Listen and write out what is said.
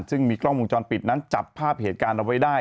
ซึ่งมีกล้องวงจรปิดนั้นจับภาพเหตุการณ์เอาไว้ได้